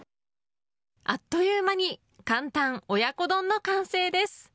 あっという間に簡単親子丼の完成です。